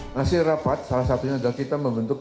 nasir rapat salah satunya adalah kita membentuk